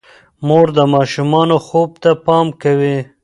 مور د ماشومانو خوب ته پام کوي.